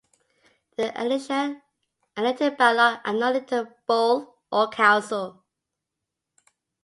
The ecclesia elected by lot annually the Boule or council.